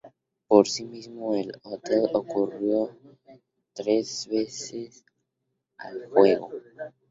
Por sí mismo, el "Hotel-Dieu" ocurrir tres veces al fuego.